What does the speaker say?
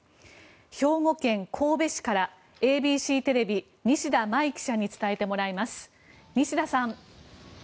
兵庫県神戸市からＡＢＣテレビ西田麻衣記者に伝えてもらいます。